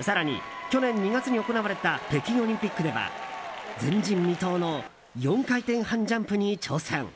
更に、去年２月に行われた北京オリンピックでは前人未到の４回転半ジャンプに挑戦。